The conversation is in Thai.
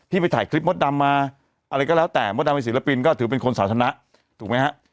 ไปถ่ายคลิปมดดำมาอะไรก็แล้วแต่มดดำเป็นศิลปินก็ถือเป็นคนสาธารณะถูกไหมฮะ